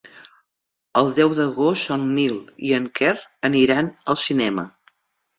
El deu d'agost en Nil i en Quer aniran al cinema.